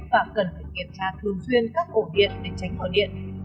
và cần phải kiểm tra thường xuyên các ổ điện để tránh bỏ điện